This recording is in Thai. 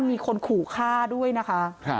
มีคนขู่ฆ่าด้วยนะคะ